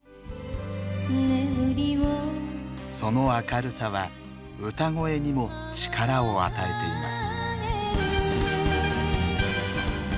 その明るさは歌声にも力を与えています。